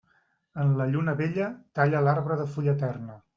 En la lluna vella, talla l'arbre de fulla eterna.